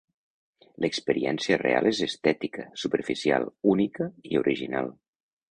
L'experiència real és estètica, superficial, única i original.